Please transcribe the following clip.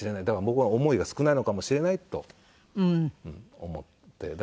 だから僕は思いが少ないのかもしれないと思って。